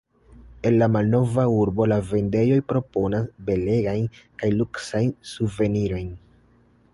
En la malnova urbo la vendejoj proponas belegajn kaj luksajn suvenirojn.